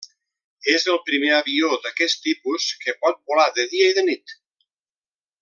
És el primer avió d'aquest tipus que pot volar de dia i de nit.